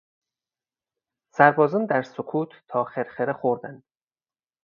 سربازان در سکوت تا خرخره خوردند.